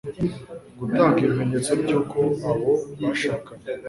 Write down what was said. gutanga ibimenyetso by'uko abo bashakanye